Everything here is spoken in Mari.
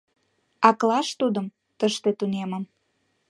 Аклаш тудым тыште тунемым.